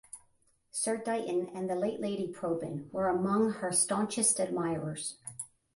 Sir Dighton and the late Lady Probyn were among her staunchest admirers.